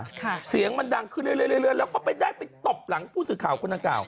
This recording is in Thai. เสียงมันดังขึ้นเรื่อยเรื่อยแล้วก็ไปได้ไปตบหลังผู้สื่อข่าวคนดังกล่าว